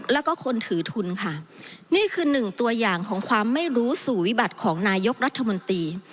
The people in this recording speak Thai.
แล้วก็คนถือทุนค่ะนี่คือหนึ่งตัวอย่างของความไม่รู้สู่วิบัติของนายกรัฐมนตรี